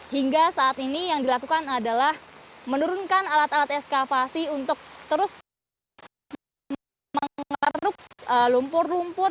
hingga saat ini yang dilakukan adalah menurunkan alat alat eskavasi untuk terus mengaruk lumpur lumpur